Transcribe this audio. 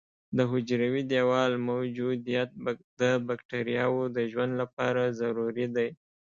د حجروي دیوال موجودیت د بکټریاوو د ژوند لپاره ضروري دی.